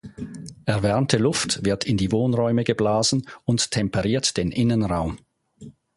Erwärmte Luft wird in die Wohnräume geblasen und temperiert den Innenraum.